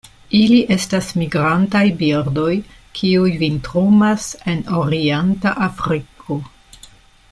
Ili estas migrantaj birdoj, kiuj vintrumas en orienta Afriko.